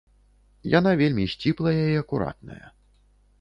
Яна вельмі сціплая і акуратная.